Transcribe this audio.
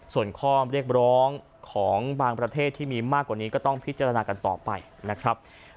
ส่วนข้อเรียกร้องของบางประเทศที่มีมากกว่านี้ก็ต้องพิจารณากันต่อไปนะครับ